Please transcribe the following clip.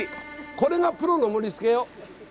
これがプロの盛りつけよ。